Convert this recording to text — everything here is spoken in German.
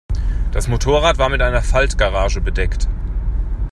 Das Motorrad war mit einer Faltgarage bedeckt.